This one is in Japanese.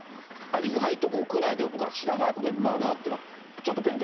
意外と国内でも僕ら知らないこといっぱいあるなって、ちょっと勉